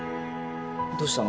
どうしたの？